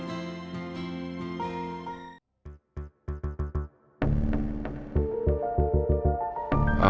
aku sudah mengerahkan berbagai cara